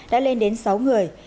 đã lên đến sáu người